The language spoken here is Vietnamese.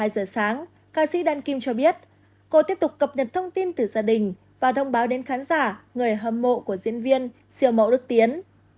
hai giờ sáng ca sĩ đan kim cho biết cô tiếp tục cập nhật thông tin từ gia đình và thông báo đến khán giả người hâm mộ của diễn viên siêu mẫu đức tiến